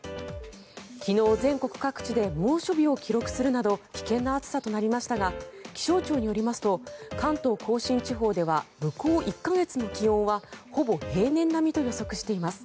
昨日、全国各地で猛暑日を記録するなど危険な暑さとなりましたが気象庁によりますと関東・甲信地方では向こう１か月の気温はほぼ平年並みと予測しています。